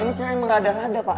ini cengang yang merada rada pak